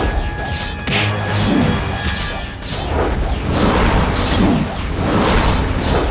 aku harus melakukannya